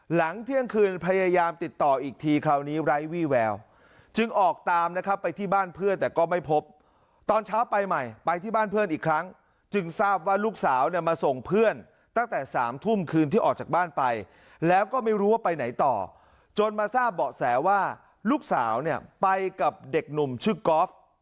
หลังเที่ยงคืนพยายามติดต่ออีกทีคราวนี้ไร้วี่แววจึงออกตามนะครับไปที่บ้านเพื่อนแต่ก็ไม่พบตอนเช้าไปใหม่ไปที่บ้านเพื่อนอีกครั้งจึงทราบว่าลูกสาวเนี่ยมาส่งเพื่อนตั้งแต่๓ทุ่มคืนที่ออกจากบ้านไปแล้วก็ไม่รู้ว่าไปไหนต่อจนมาทราบเบาะแสว่าลูกสาวเนี่ยไปกับเด็กหนุ่มชื่อกอล์ฟ